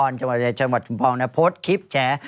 ในชมพรโพสต์คลิปแชร์